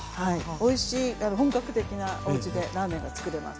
おいしい本格的なおうちでラーメンがつくれます。